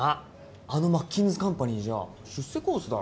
あのマッキンズカンパニーじゃ出世コースだろ？